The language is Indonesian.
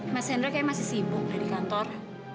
mas hendra kayaknya masih sibuk gak di kantor